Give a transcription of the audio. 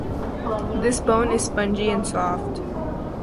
This bone is spongy and soft.